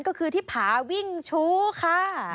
ก็คือที่ผาวิ่งชู้ค่ะ